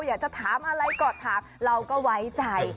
อยากจะถามอะไรก็ถามเราก็ไว้ใจ